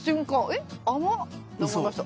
「えっ甘っ！」と思いました。